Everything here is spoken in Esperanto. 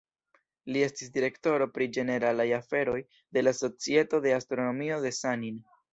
Li estis direktoro pri ĝeneralaj aferoj de la Societo de Astronomio de San-In.